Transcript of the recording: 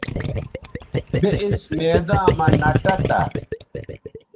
بے اِس میداں مہ نہ ٹہ تھا